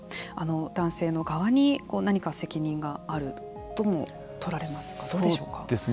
男性の側に何か責任があるともとられますかね。